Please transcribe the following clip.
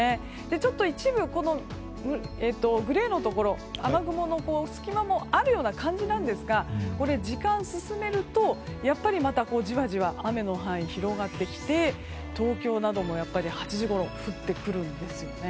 ちょっと一部、グレーのところ雨雲の隙間もあるような感じですが時間を進めるとまた、じわじわと雨の範囲が広がってきて東京なども８時ごろ、降ってくるんです。